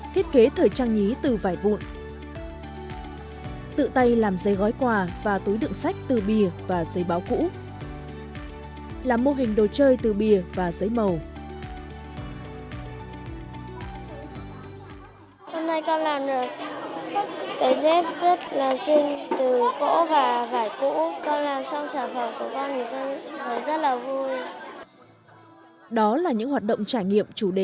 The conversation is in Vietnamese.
thiết kế thời trang nhí từ vải vụn